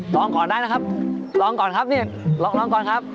ลองก่อนได้นะครับลองก่อนครับนี่ลองก่อนครับ